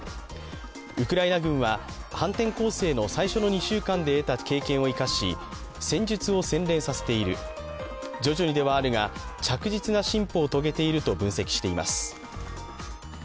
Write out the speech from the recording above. ウクライナ軍は反転攻勢の最初の２週間で得た経験を生かし経験を生かし、戦術を洗練させている、徐々にではあるが着実な進歩を遂げていると分析しています。